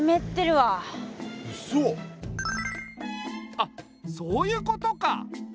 あっそういうことか！